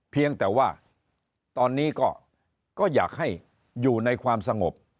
เพียงแต่ว่าตอนนี้ก็อยากให้อยู่ในความสงบ